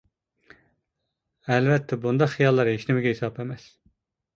ئەلۋەتتە بۇنداق خىياللار ھېچنېمىگە ھېساب ئەمەس.